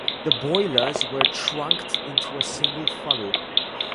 The boilers were trunked into a single funnel.